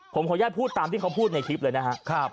ผมขอแยกพูดตามที่เขาพูดในคลิปเลยนะฮะ